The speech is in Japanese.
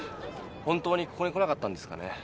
本当にここに来なかったんですかね？